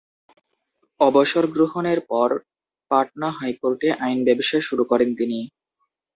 অবসর গ্রহণের পর পাটনা হাইকোর্টে আইন ব্যবসা শুরু করেন তিনি।